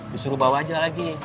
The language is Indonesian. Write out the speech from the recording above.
disuruh bawa aja lagi